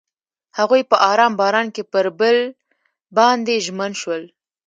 هغوی په آرام باران کې پر بل باندې ژمن شول.